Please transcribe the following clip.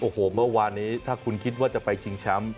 โอ้โหเมื่อวานนี้ถ้าคุณคิดว่าจะไปชิงแชมป์